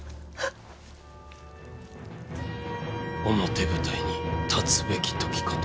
表舞台に立つべき時かと。